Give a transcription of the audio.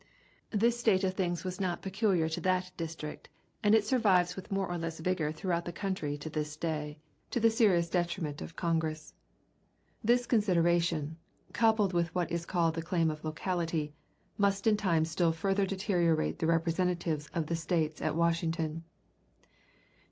This state of things was not peculiar to that district, and it survives with more or less vigor throughout the country to this day, to the serious detriment of Congress. This consideration, coupled with what is called the claim of locality, must in time still further deteriorate the representatives of the States at Washington.